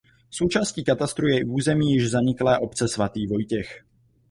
Součástí katastru je i území již zaniklé obce Svatý Vojtěch.